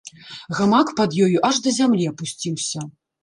Гамак пад ёю аж да зямлі апусціўся.